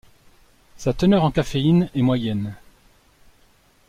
Sa teneur en caféine est moyenne.